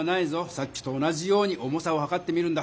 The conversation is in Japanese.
さっきと同じように重さをはかってみるんだ。